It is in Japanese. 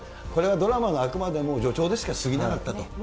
これはドラマがあくまでも序章でしかなかったと。